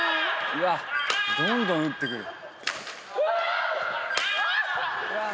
どんどん打ってくる。